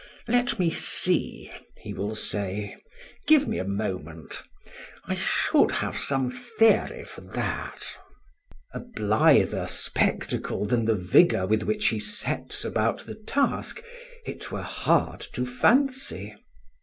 "Let me see," he will say. "Give me a moment. I should have some theory for that." A blither spectacle than the vigour with which he sets about the task, it were hard to fancy.